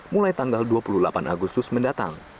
mulai tanggal dua puluh delapan agustus mendatang